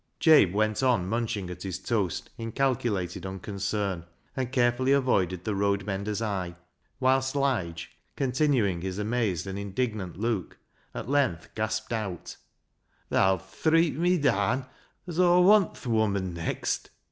Jabe went on munching at his toast in cal culated unconcern, and carefully avoided the road mender's eye, whilst Lige, continuing his amazed and indignant look, at length gasped out —" Tha'U threeap me daan as Aw zvaiit th' woman next."